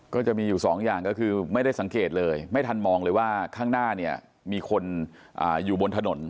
ก็จะมีอยู่สองอย่างก็คือไม่ได้สังเกตเลยไม่ทันมองเลยว่าข้างหน้าเนี่ยมีคนอยู่บนถนน